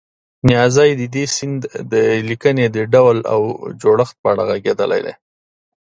نیازی د دې سیند د لیکنې د ډول او جوړښت په اړه غږېدلی دی.